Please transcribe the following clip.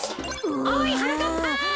おいはなかっぱ。